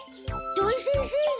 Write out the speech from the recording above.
土井先生が。